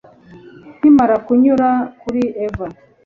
Nkimara kunyura kuri eva